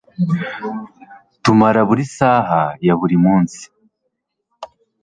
tumara buri saha ya buri munsi